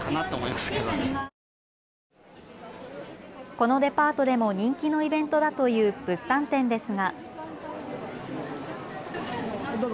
このデパートでも人気のイベントだという物産展ですが。